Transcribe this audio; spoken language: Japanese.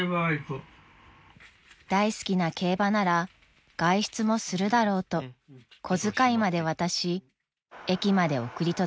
［大好きな競馬なら外出もするだろうと小遣いまで渡し駅まで送り届けました］